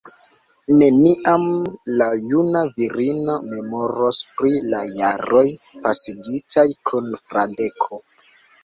Neniam la juna virino memoros pri la jaroj pasigitaj kun Fradeko.